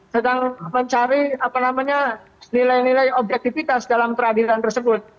sedang mencari nilai nilai objektifitas dalam keadilan tersebut